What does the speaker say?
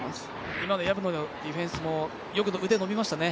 今の薮のディフェンスもよく腕が伸びましたね。